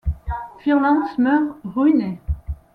Fierlants meurt ruiné.